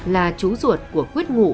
là chú ruột của quyết ngụ